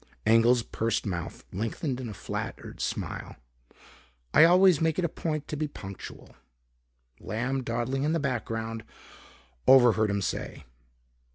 Engel's pursed mouth lengthened in a flattered smile. "I always make it a point to be punctual," Lamb dawdling in the background, overheard him say.